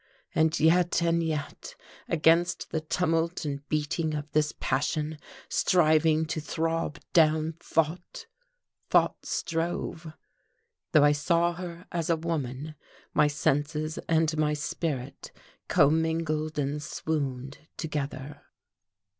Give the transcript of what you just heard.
And yet and yet against the tumult and beating of this passion striving to throb down thought, thought strove. Though I saw her as a woman, my senses and my spirit commingled and swooned together.